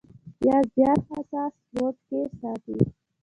يا زيات حساس موډ کښې ساتي -